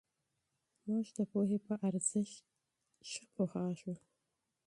موږ د پوهې په ارزښت ښه پوهېږو.